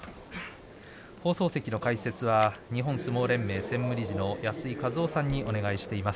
放送席の解説は日本相撲連盟専務理事の安井和男さんにお願いしています。